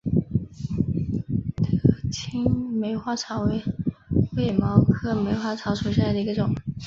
德钦梅花草为卫矛科梅花草属下的一个种。